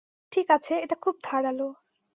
ঠিক আছে, এটা খুব ধারালো!